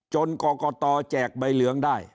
กรกตแจกใบเหลืองได้